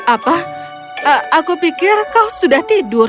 apa aku pikir kau sudah tidur